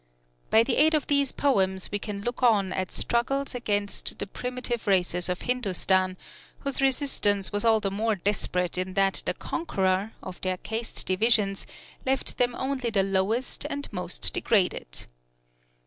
By the aid of these poems we can look on at struggles against the primitive races of Hindustan; whose resistance was all the more desperate in that the conqueror, of their caste divisions, left them only the lowest and most degraded.